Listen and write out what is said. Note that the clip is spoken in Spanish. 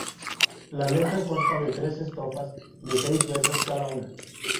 La letra consta de tres estrofas, de seis versos cada una.